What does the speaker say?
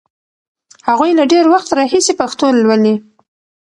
هغوی له ډېر وخت راهیسې پښتو لولي.